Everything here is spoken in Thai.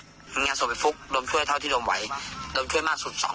ถมางงานสมไปสรุปดมช่วยเท่าที่ดมไหวดมช่วยมากสุด๒๐๐๐บาท